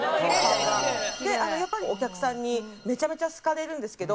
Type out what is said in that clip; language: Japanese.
やっぱりお客さんにめちゃめちゃ好かれるんですけど。